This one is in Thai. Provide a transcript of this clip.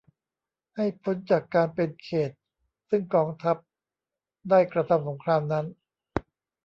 ให้พ้นจากการเป็นเขตต์ซึ่งกองทัพได้กระทำสงครามนั้น